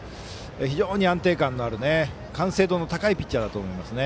非常に安定感のある完成度の高いピッチャーだと思います。